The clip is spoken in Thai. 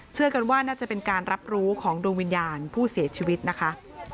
เชื่อกันว่าน่าจะเป็นการรับรู้ของดวงวิญญาณผู้เสียชีวิตนะคะ